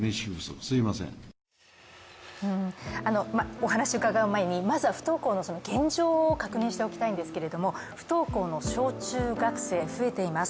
お話を伺う前に、まずは不登校の現状を確認しておきたいんですけれども不登校の小中学生増えています。